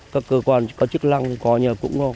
các cơ quan có chức lăng